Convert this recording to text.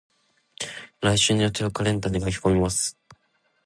来週の予定をカレンダーに書き込みます。